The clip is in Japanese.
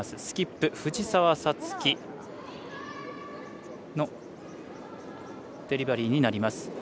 スキップ、藤澤五月のデリバリーになります。